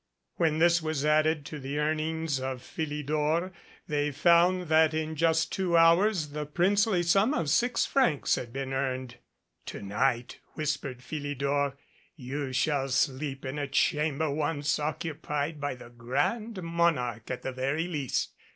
When this was added to the earn ings of Philidor, they found that in just two hours the princely sum of six francs had been earned. "To night," whispered Philidor, "you shall sleep in a chamber once occupied by the Grand Monarch at the very least.